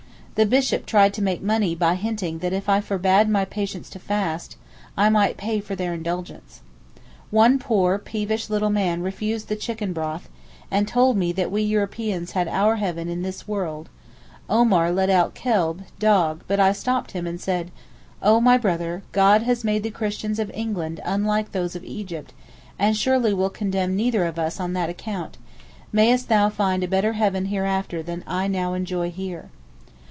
The bishop tried to make money by hinting that if I forbade my patients to fast, I might pay for their indulgence. One poor, peevish little man refused the chicken broth, and told me that we Europeans had our heaven in this world; Omar let out kelb (dog), but I stopped him, and said, 'Oh, my brother, God has made the Christians of England unlike those of Egypt, and surely will condemn neither of us on that account; mayest thou find a better heaven hereafter than I now enjoy here.